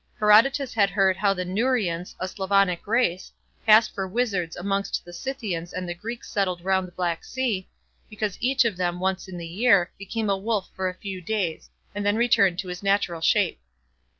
Herodotus had heard how the Neurians, a Slavonic race, passed for wizards amongst the Scythians and the Greeks settled round the Black Sea, because each of them, once in the year, became a wolf for a few days, and then returned to his natural shape.